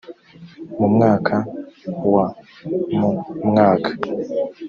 mu mwaka wa mu mwaka